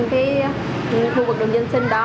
khu vực đường dân sinh đó